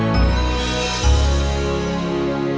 wak ngumpang ke toilet